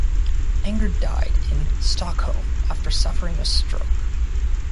Anger died in Stockholm after suffering a stroke.